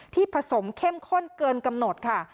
ผสมเข้มข้นเกินกำหนดค่ะ